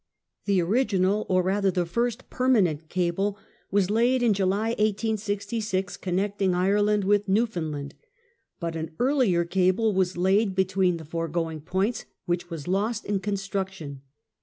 = The original or, rather, the first permanent cable, was laid in July, 1866, connecting Ireland with Newfoundland; but an earlier cable was laid between the foregoing points, which was lost in construction.